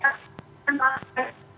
dan berapa hari